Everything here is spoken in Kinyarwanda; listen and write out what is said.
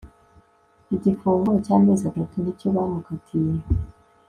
igifungo cy'amezi atatu nicyo bamukatiye